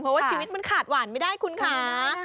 เพราะว่าชีวิตมันขาดหวานไม่ได้คุณค่ะ